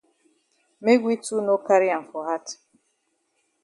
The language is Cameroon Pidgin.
Make we too no carry am for hat.